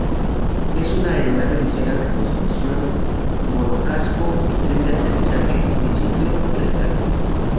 Es una aeronave ligera de construcción monocasco y tren de aterrizaje triciclo retráctil.